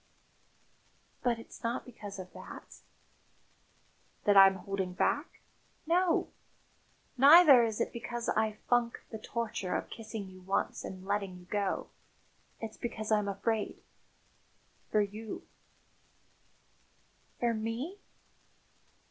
"But it's not because of that ?" "That I'm holding back? No. Neither is it because I funk the torture of kissing you once and letting you go. It's because I'm afraid for you." "For me?"